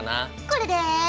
これで。